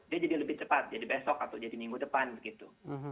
dia jadi lebih cepat jadi besok atau jadi minggu depan begitu